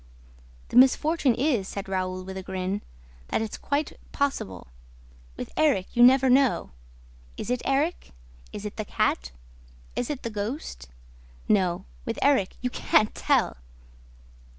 "The misfortune is," said Raoul, with a grin, "that it's quite possible. With Erik, you never know. Is it Erik? Is it the cat? Is it the ghost? No, with Erik, you can't tell!"